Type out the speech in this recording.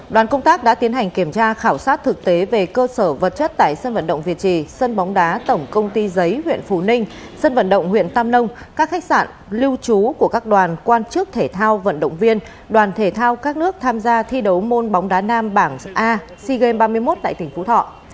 đoàn công tác đã tiến hành kiểm tra khảo sát thực tế về cơ sở vật chất tại sân vận động việt trì sân bóng đá tổng công ty giấy huyện phú ninh sân vận động huyện tam nông các khách sạn lưu trú của các đoàn quan chức thể thao vận động viên đoàn thể thao các nước tham gia thi đấu môn bóng đá nam bảng a sea games ba mươi một tại tỉnh phú thọ